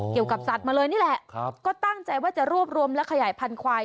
เกี่ยวกับสัตว์มาเลยนี่แหละก็ตั้งใจว่าจะรวบรวมและขยายพันธวาย